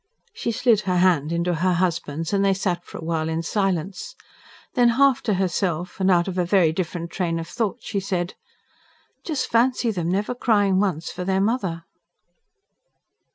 She slid her hand into her husband's and they sat for a while in silence. Then, half to herself, and out of a very different train of thought she said: "Just fancy them never crying once for their mother."